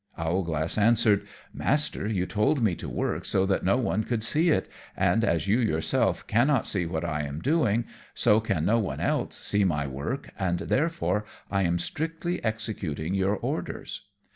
Owlglass answered, "Master, you told me to work so that no one could see it, and as you yourself cannot see what I am doing, so can no one else see my work, and therefore I am strictly executing your orders."